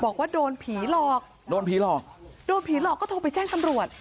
บอกว่าโดนผีหลอกโดนผีหลอกโดนผีหลอกก็โทรไปแจ้งตำรวจ